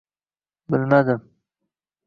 — Bilmadim.